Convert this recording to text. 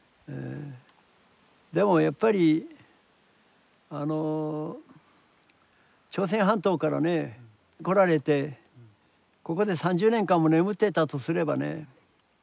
でもやっぱり朝鮮半島からね来られてここで３０年間も眠ってたとすればね